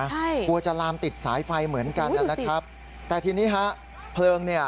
ใช่กลัวจะลามติดสายไฟเหมือนกันนะครับแต่ทีนี้ฮะเพลิงเนี่ย